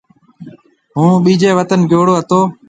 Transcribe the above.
هُون ٻيجي وطن گيوڙو هتو۔